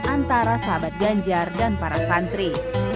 antara sahabat ganjar dan para santri